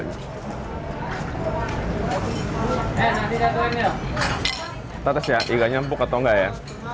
kita tes ya iganya empuk atau nggak ya